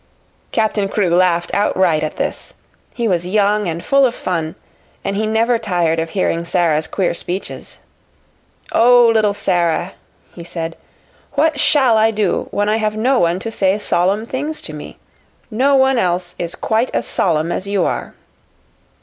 Captain Crewe laughed outright at this. He was young and full of fun, and he never tired of hearing Sara's queer speeches. "Oh, little Sara," he said. "What shall I do when I have no one to say solemn things to me? No one else is as solemn as you are."